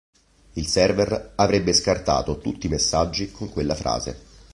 Il server avrebbe scartato tutti i messaggi con quella frase.